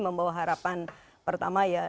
membawa harapan pertama ya